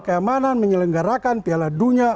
keamanan menyelenggarakan piala dunia